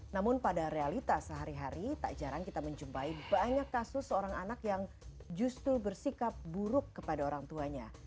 namun pada realitas sehari hari tak jarang kita menjumpai banyak kasus seorang anak yang justru bersikap buruk kepada orang tuanya